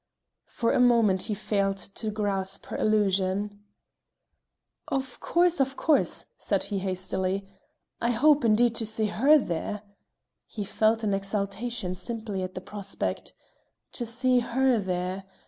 For a moment he failed to grasp her allusion. "Of course, of course," said he hastily; "I hope, indeed, to see her there." He felt an exaltation simply at the prospect. To see her there!